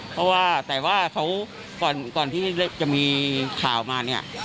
เพราะว่าแต่ว่าเขาก่อนที่จะมีข่าวมาเนี่ย